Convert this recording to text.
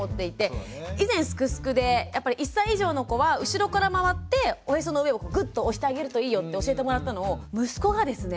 以前「すくすく」でやっぱり１歳以上の子は後ろから回っておへその上をグッと押してあげるといいよって教えてもらったのを息子がですね